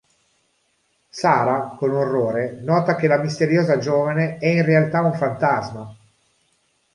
Sarah, con orrore, nota che la misteriosa giovane è in realtà un fantasma!